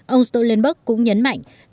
ông stoltenberg cũng nhấn mạnh